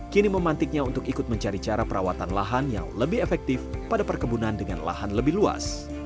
kini memantiknya untuk ikut mencari cara perawatan lahan yang lebih efektif pada perkebunan dengan lahan lebih luas